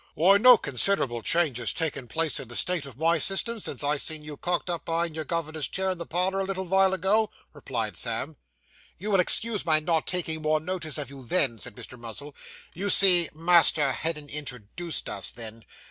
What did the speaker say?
'Why, no considerable change has taken place in the state of my system, since I see you cocked up behind your governor's chair in the parlour, a little vile ago,' replied Sam. 'You will excuse my not taking more notice of you then,' said Mr. Muzzle. 'You see, master hadn't introduced us, then.